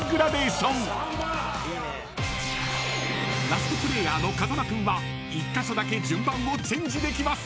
［ラストプレーヤーの風間君は１カ所だけ順番をチェンジできます］